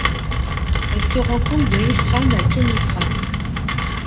Elle se rencontre de Ifrane à Khénifra.